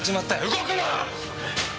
動くな！！